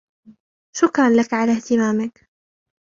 شكراً لكَ على إهتمامك.